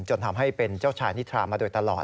จนทำให้เป็นเจ้าชายนิทรามาโดยตลอด